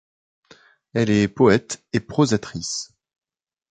Elle est poète et prosatrice.